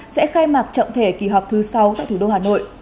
sẽ khai mạc trọng thể kỳ họp thứ sáu tại thủ đô hà nội